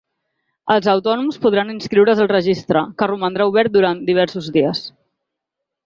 Els autònoms podran inscriure’s al registre, que romandrà obert durant diversos dies.